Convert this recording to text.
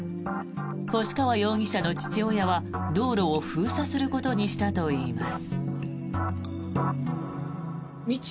越川容疑者の父親は道路を封鎖することにしたといいます。